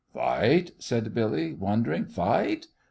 "Fight?" said Billy, wondering. "Fight?